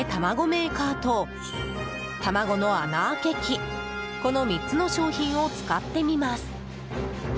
メーカーと卵の穴あけ器この３つの商品を使ってみます。